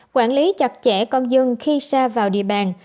quản lý chặt chẽ công dân khi xa vào địa bàn